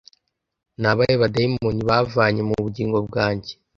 Ni abahe badayimoni bavanye mu bugingo bwanjye?